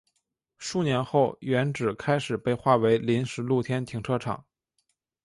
数年后原址开始被划为临时露天停车场。